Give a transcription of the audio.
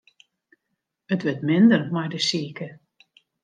It wurdt minder mei de sike.